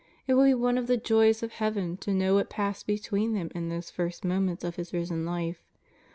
It will be one of the joys of Heaven to know what passed between them in those first moments of His Risen Life.